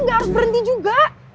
gak harus berhenti juga